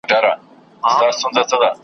له سرحد څخه یې حال دی را لېږلی .